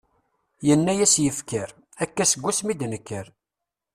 Yenna-as yifker : akka seg asmi i d-nekker.